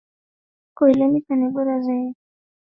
Kuelimika ni bora zaidi kwa mtu